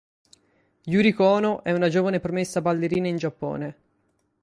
Yuriko Ono è una giovane promessa ballerina in Giappone.